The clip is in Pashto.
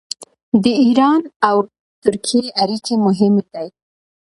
د ایران او ترکیې اړیکې مهمې دي.